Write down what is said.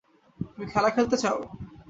তুমি খেলা খেলতে চাও?